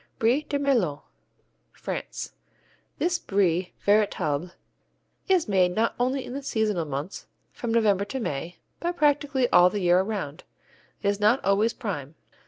Brie de Melun France This Brie véritable is made not only in the seasonal months, from November to May, but practically all the year around. It is not always prime.